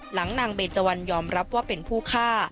นางเบนเจวันยอมรับว่าเป็นผู้ฆ่า